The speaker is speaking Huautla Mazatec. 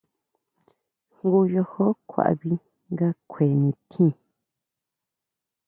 Jngu yojo ʼkuaví nga kjue nitjín.